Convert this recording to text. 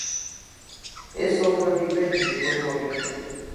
Es software libre y de código abierto.